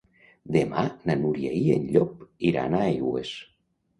Demà na Núria i en Llop iran a Aigües.